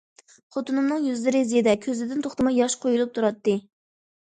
خوتۇنۇمنىڭ يۈزلىرى زېدە، كۆزىدىن توختىماي ياش قۇيۇلۇپ تۇراتتى.